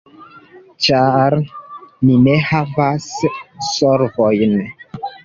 Ĉar ni ne havas solvojn.